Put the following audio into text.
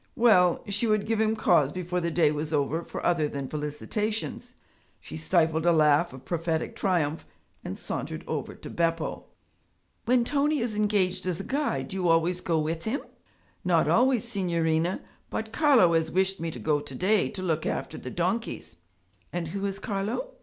Well! she would give him cause before the day was over for other than felicitations. She stifled a laugh of prophetic triumph and sauntered over to Beppo. 'When Tony is engaged as a guide do you always go with him?' 'Not always, signorina, but Carlo has wished me to go to day to look after the donkeys.' 'And who is Carlo?'